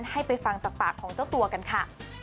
ให้ไปฟังจากปากของเจ้าตัวกันค่ะ